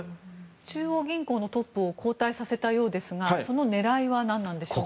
中央銀行のトップを後退させたようですがその狙いは何なんでしょうか？